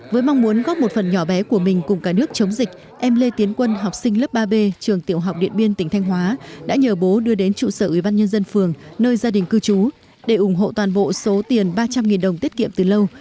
với mong muốn góp một phần nhỏ bé của mình cùng cả nước chống dịch em lê tiến quân học sinh lớp ba b trường tiểu học điện biên tỉnh thanh hóa đã nhờ bố đưa đến trụ sở ủy ban nhân dân phường nơi gia đình cư trú để ủng hộ toàn bộ số tiền ba trăm linh đồng tiết kiệm từ lâu